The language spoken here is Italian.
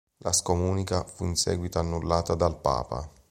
La scomunica fu in seguito annullata dal papa.